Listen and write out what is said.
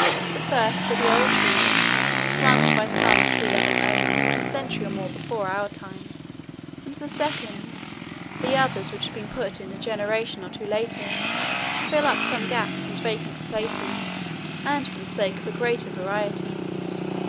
The first were the old trees planted by some tree loving owner a century or more before our time, and the second the others which had been put in a generation or two later to fill up some gaps and vacant places and for the sake of a greater variety.